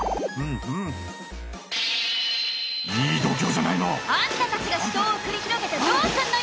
いい度胸じゃないの！あんたたちが死闘を繰り広げてどうすんのよ！